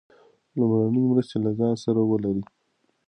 لومړنۍ مرستې له ځان سره ولرئ.